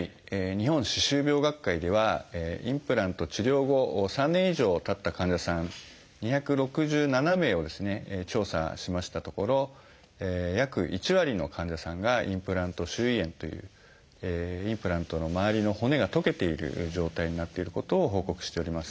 日本歯周病学会ではインプラント治療後３年以上たった患者さん２６７名をですね調査しましたところ約１割の患者さんがインプラント周囲炎というインプラントの周りの骨がとけている状態になっていることを報告しております。